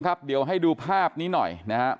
ครับเดี๋ยวให้ดูภาพนี้หน่อยนะครับ